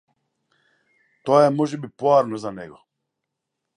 Тоа е можеби поарно за него.